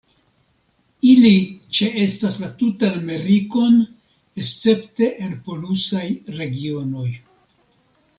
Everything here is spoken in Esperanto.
Ili ĉeestas la tutan Amerikon escepte en polusaj regionoj.